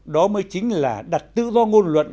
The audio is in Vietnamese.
đó mới chính là đặt tự do ngôn luận